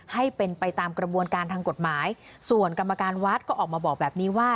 ให้เป็นไปตามกระบวนการทางกฎหมายส่วนกรรมการวัดก็ออกมาบอกแบบนี้ว่า